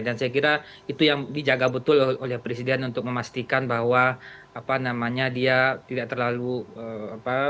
dan saya kira itu yang dijaga betul oleh presiden untuk memastikan bahwa apa namanya dia tidak terlalu apa